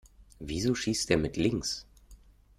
Wieso schießt der mit links?